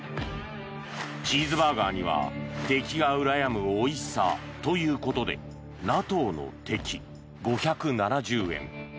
チーズバーガーには敵がうらやむおいしさということでＮＡＴＯの敵５７０円。